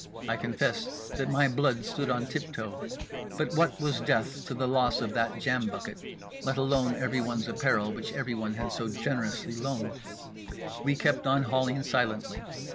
I confess that my blood stood on tip toe; but what was death to the loss of that jam bucket, let alone everyone's apparel which everyone had so generously loaned? We kept on hauling silently.